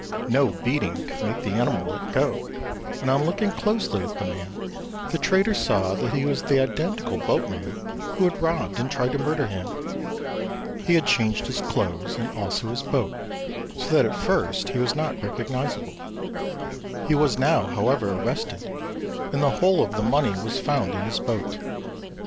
No beating could make the animal let go; and on looking closely at the man, the trader saw he was the identical boatman who had robbed and tried to murder him. He had changed his clothes and also his boat, so that at first he was not recognisable; he was now, however, arrested, and the whole of the money was found in his boat.